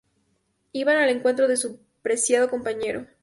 Iban al encuentro de su preciado compañero.